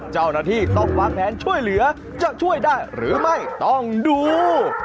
เจ้าหน้าที่ต้องวางแผนช่วยเหลือจะช่วยได้หรือไม่ต้องดู